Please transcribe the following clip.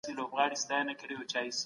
له نامناسبو شیانو ماشومان وساتئ.